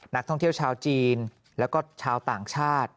นักท่องเที่ยวชาวจีนแล้วก็ชาวต่างชาติ